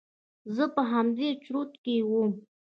زه په همدې چورت کښې وم.